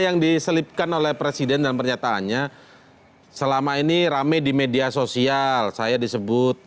yang diselipkan oleh presiden dan pernyataannya selama ini rame di media sosial saya disebut